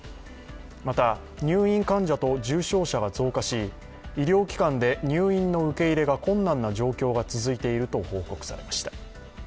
また、入院患者と重症者が増加し、医療機関で入院の受け入れが困難な状況が続いていると報告されました。